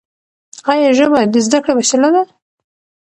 ایا ژبه د زده کړې وسیله ده؟